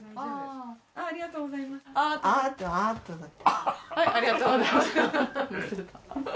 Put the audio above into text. ありがとうございます。